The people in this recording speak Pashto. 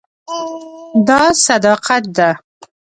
دا صداقت ده.